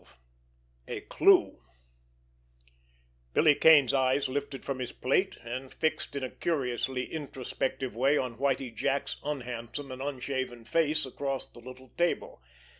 XII—A CLUE Billy Kane's eyes lifted from his plate, and fixed in a curiously introspective way on Whitie Jack's unhandsome and unshaven face across the little table.